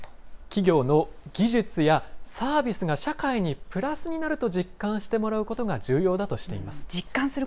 企業の技術やサービスが社会にプラスになると実感してもらうことが重要だとしています。